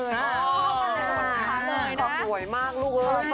อ๋อขึ้นจังหวัดทรงคาเลยนะ